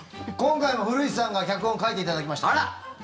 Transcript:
今回も古市さんが脚本を書いていただきました。